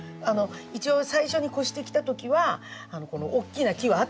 一応最初に越してきたときはこの大きな木はあったんです